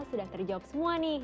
sudah terjawab semua nih